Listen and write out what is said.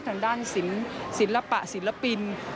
ทางด้านศิลปะศิลปิน